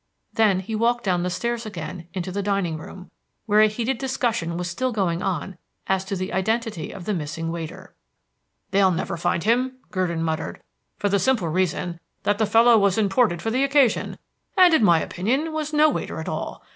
Then he walked down the stairs again into the dining room, where a heated discussion was still going on as to the identity of the missing waiter. "They'll never find him," Gurdon muttered, "for the simple reason that the fellow was imported for the occasion, and, in my opinion, was no waiter at all.